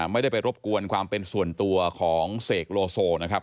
ไม่ได้ไปรบกวนความเป็นส่วนตัวของเสกโลโซนะครับ